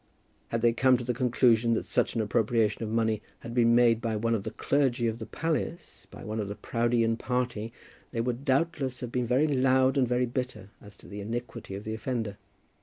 Had they come to the conclusion that such an appropriation of money had been made by one of the clergy of the palace, by one of the Proudeian party, they would doubtless have been very loud and very bitter as to the iniquity of the offender.